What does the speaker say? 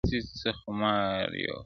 زر کلونه څه مستی څه خمار یووړل-